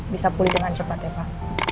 bisa pulih dengan cepat ya pak